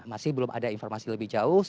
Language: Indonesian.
masih belum ada informasi lebih jauh